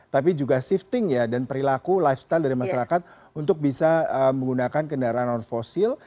tapi juga shifting ya dan perilaku lifestyle dari masyarakat untuk bisa menggunakan kendaraan non fosil